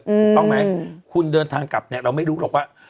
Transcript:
ถูกต้องไหมคุณเดินทางกลับเนี่ยเราไม่รู้หรอกว่า